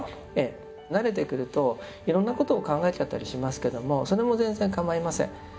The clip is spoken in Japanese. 慣れてくるといろんなことを考えちゃったりしますけどもそれも全然構いません。